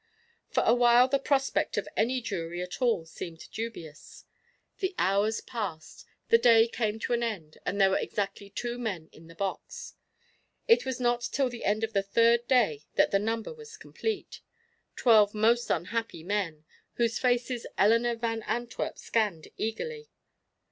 For a while the prospect of any jury at all seemed dubious. The hours passed, the day came to an end, and there were exactly two men in the box. It was not till the end of the third day that the number was complete twelve most unhappy men, whose faces Eleanor Van Antwerp scanned eagerly.